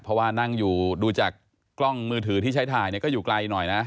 เพราะว่านั่งอยู่ดูจากกล้องมือถือที่ใช้ถ่ายเนี่ยก็อยู่ไกลหน่อยนะ